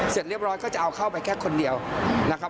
เสร็จเรียบร้อยก็จะเอาเข้าไปแค่คนเดียวนะครับ